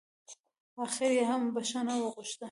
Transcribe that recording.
اخر يې هم بښنه وغوښته.